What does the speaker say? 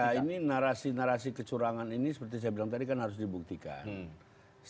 ya ini narasi narasi kecurangan ini seperti saya bilang tadi kan harus dibuktikan